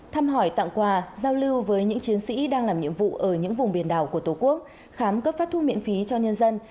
thăm hỏi tặng quà giao lưu với những chiến sĩ đang làm nhiệm vụ ở những vùng biển đảo của tổ quốc khám cấp phát thuốc miễn phí cho nhân dân